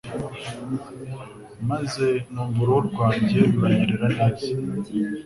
maze numva uruhu rwange ruranyerera neza.